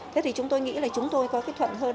thế thì chúng tôi nghĩ là chúng tôi có cái thuận hơn